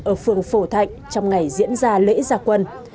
ở phường phổ thạnh trong ngày diễn ra lễ gia quân